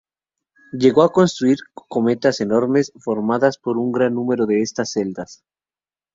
Llegó a construir cometas enormes, formadas por un gran número de estas celdas.